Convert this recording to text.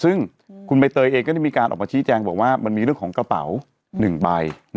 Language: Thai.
ซึ่งคุณใบเตยเองก็ได้มีการออกมาชี้แจงบอกว่ามันมีเรื่องของกระเป๋า๑ใบ